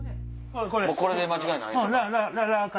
これで間違いないっすか？